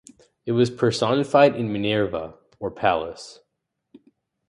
It was personified in Minerva, or Pallas.